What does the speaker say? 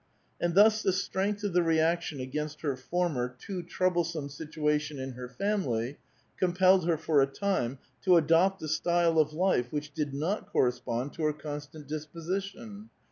" And thus the strength of the reaction acrainst her former, too troublesome situation in her family compelled her for a time to adopt a style of life which did not correspond to her constant disposition.